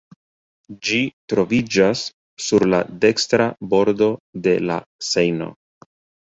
Ĝi troviĝas sur la dekstra bordo de la Sejno.